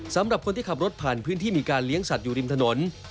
สำหรับคนที่ขับรถผ่านพื้นที่มีการเลี้ยงสัตว์อยู่ริมถนน